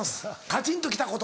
「カチンときた事」。